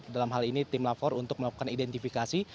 dalam hal ini tim lafor untuk melakukan identifikasi